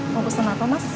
mau pesen apa mas